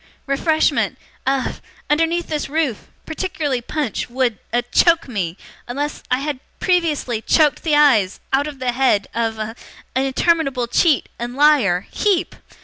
Refreshment a underneath this roof particularly punch would a choke me unless I had previously choked the eyes out of the head a of interminable cheat, and liar HEEP!